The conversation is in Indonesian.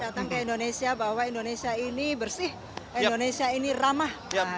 datang ke indonesia bahwa indonesia ini bersih indonesia ini ramah